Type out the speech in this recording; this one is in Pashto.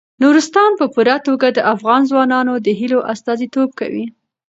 نورستان په پوره توګه د افغان ځوانانو د هیلو استازیتوب کوي.